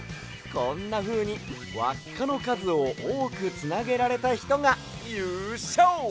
こんなふうにわっかのかずをおおくつなげられたひとがゆうＳＹＯ！